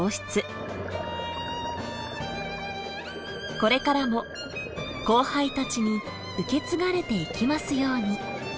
これからも後輩たちに受け継がれていきますように。